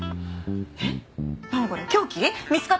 えっ？